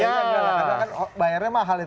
karena kan bayarnya mahal itu